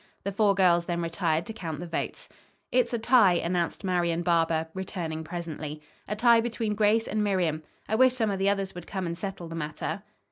The four girls then retired to count the votes. "It's a tie," announced Marian Barber, returning presently; "a tie between Grace and Miriam. I wish some of the others would come and settle the matter."